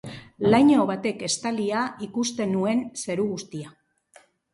Laino batek estalia ikusten nuen zeru guztia.